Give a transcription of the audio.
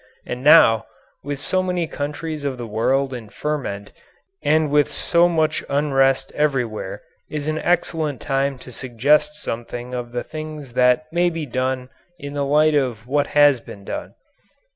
And now, with so many countries of the world in ferment and with so much unrest every where, is an excellent time to suggest something of the things that may be done in the light of what has been done.